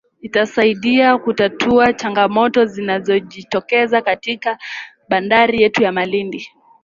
Itasaidia kutatua changamoto zinazojitokeza sasa katika bandari yetu ya Malindi